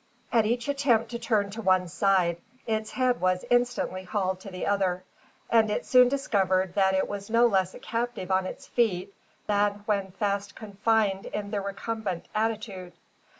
At each attempt to turn to one side, its head was instantly hauled to the other, and it soon discovered that it was no less a captive on its feet than when fast confined in the recumbent attitude.